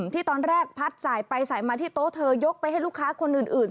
ที่ตอนแรกพัดสายไปสายมาที่โต๊ะเธอยกไปให้ลูกค้าคนอื่น